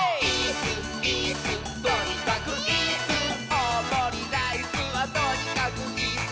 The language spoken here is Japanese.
「おおもりライスはとにかくイス！」